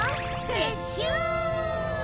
てっしゅう！